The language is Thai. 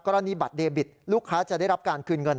กรณีบัตรเดบิตลูกค้าจะได้รับการคืนเงิน